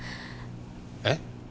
えっ？